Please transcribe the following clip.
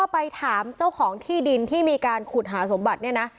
ไปถามเจ้าของที่ดินที่มีการขุดหาสมบัติเนี่ยนะ